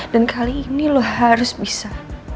dan kali ini lo harus bisa